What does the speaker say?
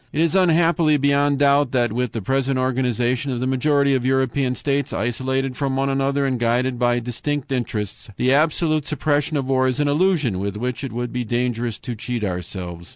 "It is unhappily beyond doubt that with the present organization of the majority of European states, isolated from one another and guided by distinct interests, the absolute suppression of war is an illusion with which it would be dangerous to cheat ourselves.